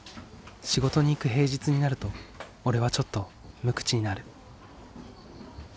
仕事に行く平日になると俺はちょっと無口になる。